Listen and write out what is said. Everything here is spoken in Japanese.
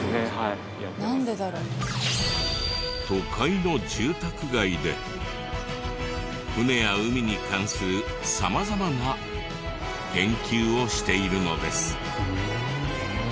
都会の住宅街で船や海に関する様々な研究をしているのです。